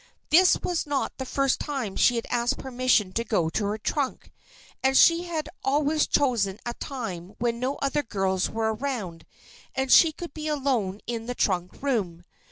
This was not the first time she had asked permission to go to her trunk. And she had always chosen a time when no other girls were around, and she could be alone in the trunk room.